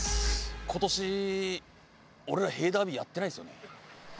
今年俺らへぇダービーやってないですよね？